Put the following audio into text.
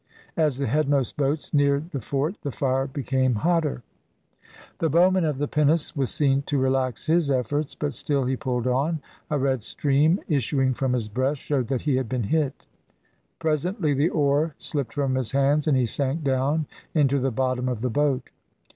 As the headmost boats neared the fort the fire became hotter. The bowman of the pinnace was seen to relax his efforts, but still he pulled on, a red stream issuing from his breast showed that he had been hit; presently the oar slipped from his hands, and he sank down into the bottom of the boat.